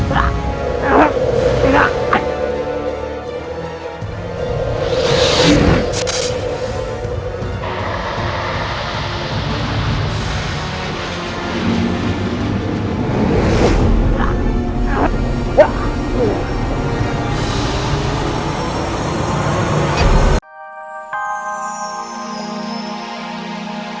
jangan jangan dia dalam bahaya